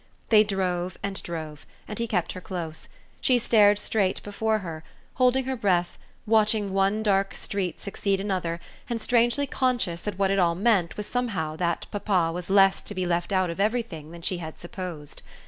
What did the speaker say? They drove and drove, and he kept her close; she stared straight before her, holding her breath, watching one dark street succeed another and strangely conscious that what it all meant was somehow that papa was less to be left out of everything than she had supposed.